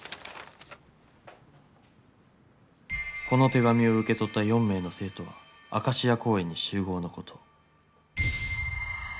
「この手紙を受け取った４名の生徒はアカシア公園に集合のこと」。